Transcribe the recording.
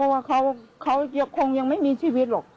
เพราะว่าเขาคงยังไม่มีชีวิตหรอก